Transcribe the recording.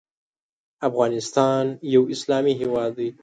افغانستان یو اسلامی هیواد دی .